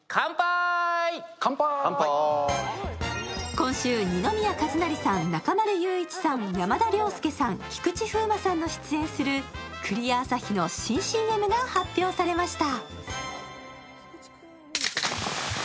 今週、二宮和也さん、中丸雄一さん、山田涼介さん、菊池風磨さんの出演するクリアアサヒの新ＣＭが発表されました。